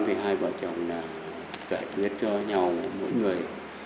thì hai vợ chồng là giải quyết cho nhau mỗi người